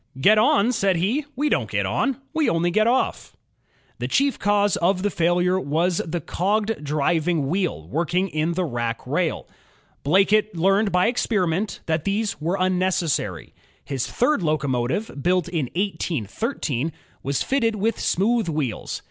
"Get on?" said he, "We don't get on; we only get offi" The chief cause of the failure was the cogged driving wheel working in tbe rack rail. Blackett learned by experiment that these were unneces sary. His third locomotive, built in 1813, was fitted with GEORGE STEPHENSON 6 1 smooth wheels.